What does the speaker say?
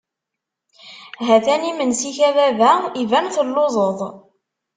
Ha-t-an yimensi-k a baba, iban telluẓeḍ.